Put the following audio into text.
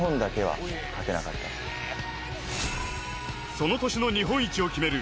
その年の日本一を決める